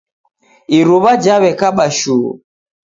Iruwa jawekaba shuu